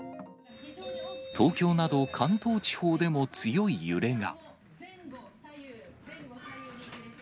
東京など関東地方でも強い揺れが。